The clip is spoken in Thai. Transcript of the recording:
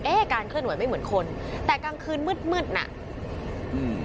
การเคลื่อนไหวไม่เหมือนคนแต่กลางคืนมืดมืดน่ะอืม